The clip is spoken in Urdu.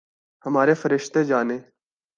ہمارے فرشتے جانیں۔